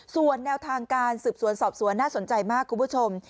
ส่วนแนวทางการสืบสวนสอบสวนน่าสนใจมากคุณผู้ชม